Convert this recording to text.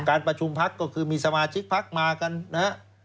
การประชุมพักก็คือมีสมาชิกพักมากันนะฮะ